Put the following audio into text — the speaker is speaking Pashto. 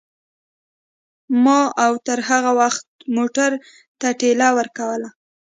ما او تر هغه وخته موټر ته ټېله ورکوله.